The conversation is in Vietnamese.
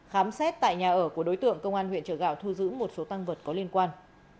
khám xét tại nhà ở của đối tượng công an huyện trợ gạo thu giữ một số tăng vật có liên quan